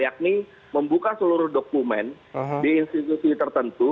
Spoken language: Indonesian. yakni membuka seluruh dokumen di institusi tertentu